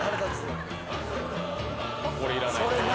これいらないな。